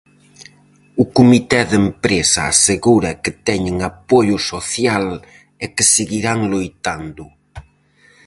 O comité de empresa asegura que teñen apoio social e que seguirán loitando.